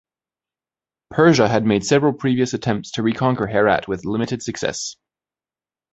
Persia had made several previous attempts to reconquer Herat with limited success.